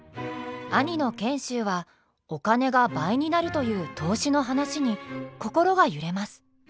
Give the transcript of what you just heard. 兄の賢秀はお金が倍になるという投資の話に心が揺れます。